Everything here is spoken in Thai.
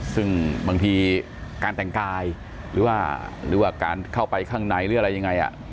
ซึ่งบางทีการแต่งกายหรือว่าการเข้าไปข้างในหรืออะไรยังไง